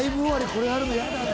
これやるの嫌だね。